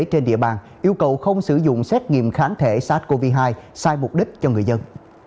trên địa bàn yêu cầu không sử dụng xét nghiệm kháng thể sars cov hai sai mục đích cho người dân